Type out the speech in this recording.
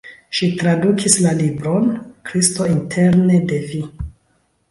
Ŝi tradukis la libron "Kristo interne de vi".